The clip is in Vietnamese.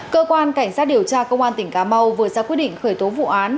cơ quan cảnh sát điều tra công an tỉnh cà mau vừa ra quyết định khởi tố vụ án